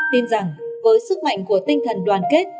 tin rằng với sức mạnh của tinh thần đoàn kết